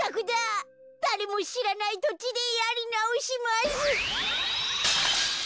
だれもしらないとちでやりなおします。